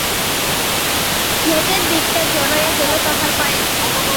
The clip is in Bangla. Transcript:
লেজের দিকটা জড়াইয়া গেল তাহার পায়ে।